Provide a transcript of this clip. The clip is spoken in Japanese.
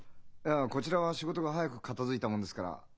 こちらは仕事が早く片づいたもんですから。